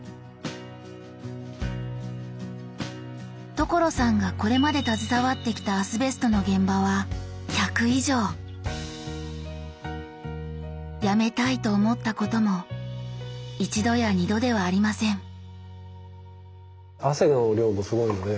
所さんがこれまで携わってきたアスベストの現場は１００以上辞めたいと思ったことも一度や二度ではありません汗の量もすごいので。